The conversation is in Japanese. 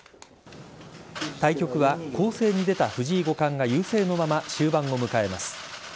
対局は攻勢に出た藤井五冠が優勢のまま終盤を迎えます。